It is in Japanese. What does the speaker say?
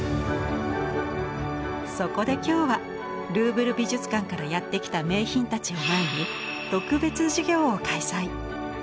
そこで今日はルーヴル美術館からやって来た名品たちを前に特別授業を開催！